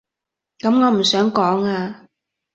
噉我唔想講啊